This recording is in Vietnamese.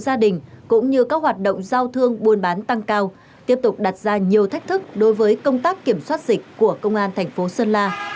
gia đình cũng như các hoạt động giao thương buôn bán tăng cao tiếp tục đặt ra nhiều thách thức đối với công tác kiểm soát dịch của công an thành phố sơn la